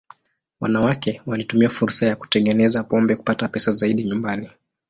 Wanawake walitumia fursa ya kutengeneza pombe kupata pesa zaidi nyumbani.